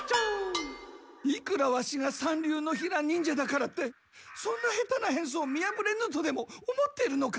いくらワシが三流のヒラ忍者だからってそんな下手な変装見やぶれぬとでも思ってるのか？